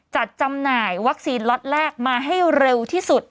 จำหน่ายวัคซีนล็อตแรกมาให้เร็วที่สุด